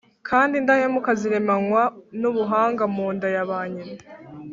kandi indahemuka ziremanwa nubuhanga mu nda ya ba nyina